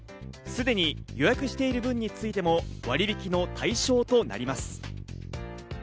すでに予約している分についても、割引の対象となります。